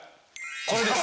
これです。